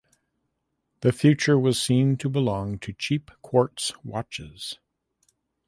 The future was seen to belong to cheap quartz watches.